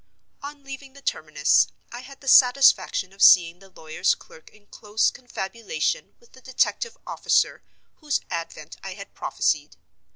On leaving the terminus, I had the satisfaction of seeing the lawyer's clerk in close confabulation with the detective officer whose advent I had prophesied.